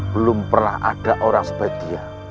belum pernah ada orang seperti dia